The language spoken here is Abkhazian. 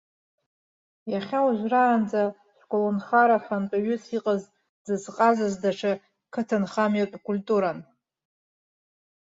Иахьа уажәраанӡа шәколнхара хантәаҩыс иҟаз дзызҟазаз даҽа қыҭанхамҩатә культуран.